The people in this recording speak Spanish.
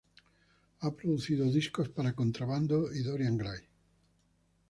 Ha producido discos para Contrabando y Dorian Gray.